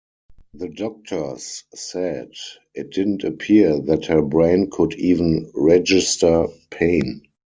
The doctors said it didn't appear that her brain could even register pain.